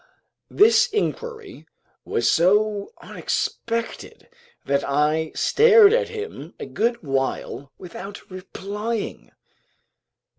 This inquiry was so unexpected that I stared at him a good while without replying.